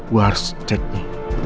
gue harus ceknya